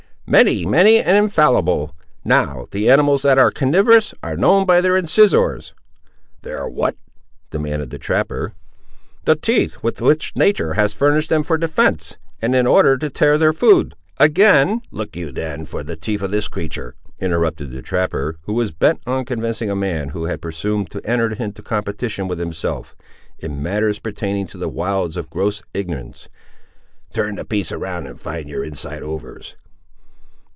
"Many; many and infallible. Now, the animals that are carnivorous are known by their incisores." "Their what?" demanded the trapper. "The teeth with which nature has furnished them for defence, and in order to tear their food. Again—" "Look you then for the teeth of this creatur'," interrupted the trapper, who was bent on convincing a man who had presumed to enter into competition with himself, in matters pertaining to the wilds, of gross ignorance; "turn the piece round and find your inside overs."